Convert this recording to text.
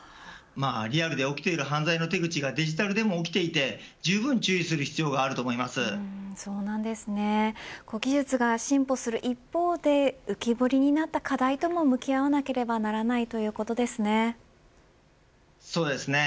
リアルで起きている犯罪の手口がデジタルでも起きていてじゅうぶん注意する技術が進歩する一方で浮き彫りになった課題とも向き合わなければならないそうですね。